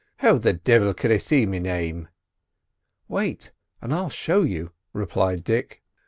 "How the divil could I see me name?" "Wait and I'll show you," replied Dick.